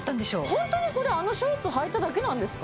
ホントにこれあのショーツはいただけなんですか？